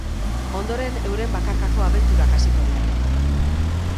Ondoren, euren bakarkako abenturak hasiko dira.